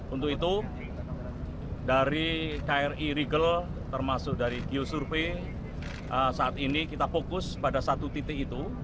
untuk itu dari kri rigel termasuk dari geosurvey saat ini kita fokus pada satu titik itu